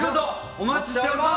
お待ちしております！